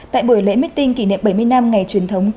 tại buổi lễ mít tinh kỷ niệm bảy mươi năm ngày truyền thống